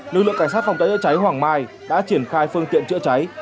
lực lượng cảnh sát phòng cháy chữa cháy hoàng mai đã triển khai phương tiện chữa cháy